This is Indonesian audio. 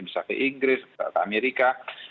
bisa ke inggris ke amerika